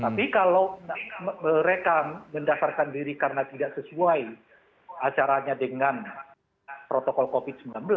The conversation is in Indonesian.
tapi kalau mereka mendasarkan diri karena tidak sesuai acaranya dengan protokol covid sembilan belas